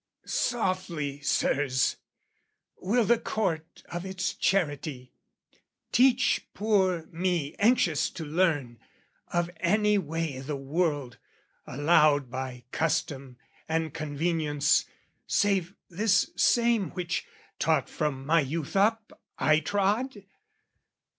Softly, Sirs! Will the Court of its charity teach poor me Anxious to learn, of any way i' the world, Allowed by custom and convenience, save This same which, taught from my youth up, I trod?